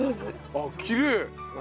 あっきれい！